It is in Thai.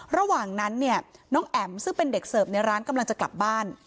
ระหว่างนั้นเนี่ยน้องแอ๋มซึ่งเป็นเด็กเสิร์ฟในร้านกำลังจะกลับบ้าน